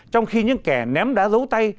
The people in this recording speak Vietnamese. trong khi những kẻ ném đá dấu tay